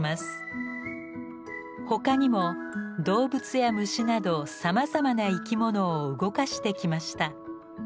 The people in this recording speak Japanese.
他にも動物や虫などさまざまな生きものを動かしてきました。